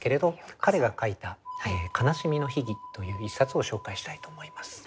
彼が書いた「悲しみの秘義」という一冊を紹介したいと思います。